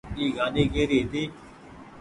اي گآڏي ڪيري هيتي